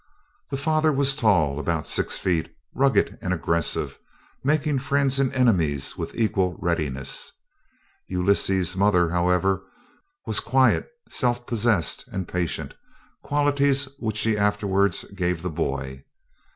The father was tall, about six feet, rugged and aggressive, making friends and enemies with equal readiness. Ulysses' mother, however, was quiet, self possessed, and patient qualities which she afterwards gave the boy.